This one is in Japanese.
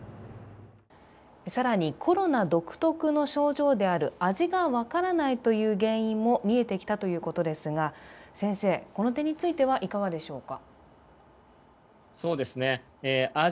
更にコロナ独特の症状である味が分からないという原因も見えてきたということですが、先生、この点についてはいかがでしょうか。